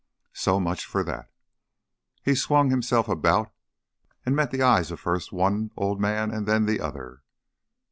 So much for that." He swung himself about and met the eyes of first one old man, then the other.